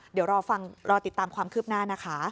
เดี๋ยวติดตามความคืบหน้า